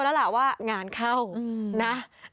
แล้วล่ะว่างานเข้านะ